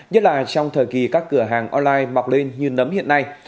nhất là trong thời kỳ các cửa hàng online mọc lên như nấm hiện nay